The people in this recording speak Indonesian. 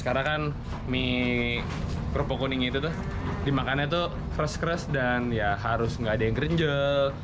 karena kan mie kerupuk kuning itu tuh dimakannya tuh keras keras dan ya harus gak ada yang kerenjel